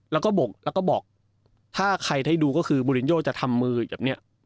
แล้วก็บกแล้วก็บอกถ้าใครได้ดูก็คือบูรินโยจะทำมือแบบนี้